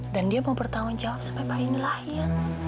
dan dia mau bertanggung jawab sama pak inilah ya